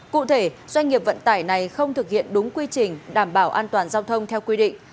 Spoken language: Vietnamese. cụ thể doanh nghiệp vận tải này không thực hiện đúng quy trình đảm bảo an toàn giao thông theo quy định